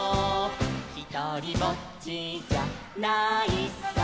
「ひとりぼっちじゃないさ」